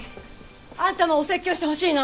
あんたもお説教してほしいの？